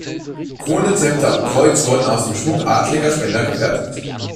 Krone, Szepter und Kreuz wurden aus dem Schmuck adeliger Spender gefertigt.